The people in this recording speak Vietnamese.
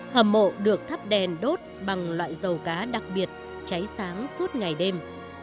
hầm mộ được thắp đèn đốt bằng loại dầu cá đặc biệt cháy sáng suốt ngày đêm